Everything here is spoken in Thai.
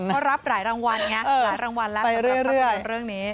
เพราะรับหลายรางวัลแล้วจะรับรางวัลเรื่องนี้